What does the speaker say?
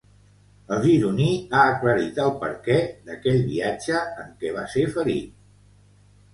El gironí ha aclarit el perquè d'aquell viatge en què va ser ferit.